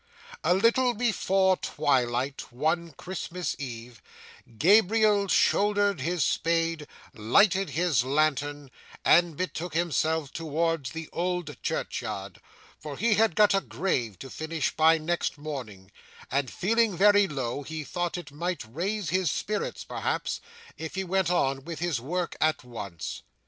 'A little before twilight, one Christmas Eve, Gabriel shouldered his spade, lighted his lantern, and betook himself towards the old churchyard; for he had got a grave to finish by next morning, and, feeling very low, he thought it might raise his spirits, perhaps, if he went on with his work at once.